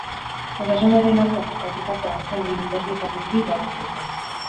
Osasunaren aurka jokatutako azken hiru derbietatik bi irabazi ditu.